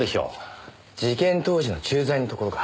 事件当時の駐在のところか。